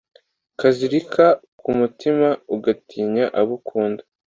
kizilika ku mutima, ugatinya abo ukunda